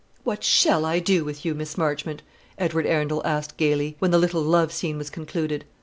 "What shall I do with you, Miss Marchmont?" Edward Arundel asked gaily, when the little love scene was concluded.